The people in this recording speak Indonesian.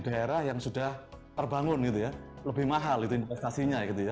daerah yang sudah terbangun gitu ya lebih mahal itu investasinya gitu ya